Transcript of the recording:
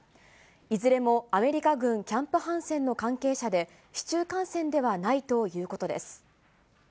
いずれもアメリカ軍キャンプ・ハンセンの関係者で、市中感染ではないということです。